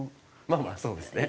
まあまあそうですね。